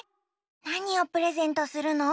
なにをプレゼントするの？